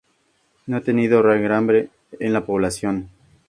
No ha tenido raigambre en la población.